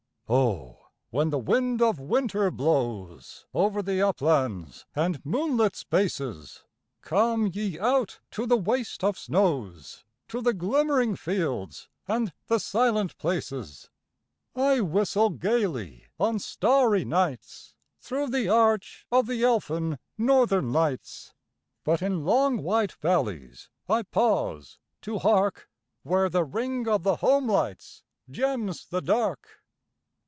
Ho, when the wind of winter blows Over the uplands and moonlit spaces. Come ye out to the waste of snows. To the glimmering fields and the silent places. I whistle gaily on starry nights Through the arch of the elfin northern lights, But in long white valleys I pause to hark Where the ring of the home lights gems the dark.